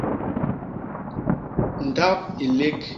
Ndap i nlék.